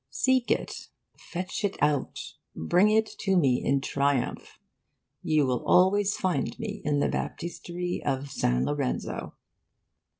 Seek it, fetch it out, bring it to me in triumph. You will always find me in the Baptistery of San Lorenzo.